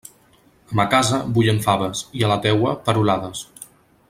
A ma casa bullen faves, i a la teua, perolades.